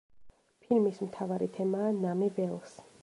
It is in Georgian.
ფილმის მთავარი თემაა „ნამი ველს“.